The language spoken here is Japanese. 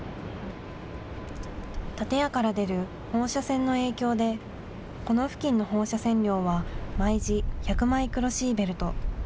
建屋から出る放射線の影響で、この付近の放射線量は、毎時１００マイクロシーベルト。